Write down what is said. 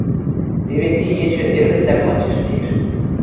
Теве ти ечӹ эргӹцлӓн лачеш лиэш.